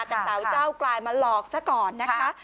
แต่สาวเจ้ากลายมาหลอกซะก่อนนะคะ